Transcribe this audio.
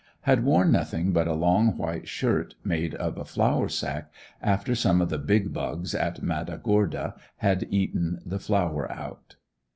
Had worn nothing but a long white shirt made of a flour sack after some of the "big bugs" in Matagorda had eaten the flour out.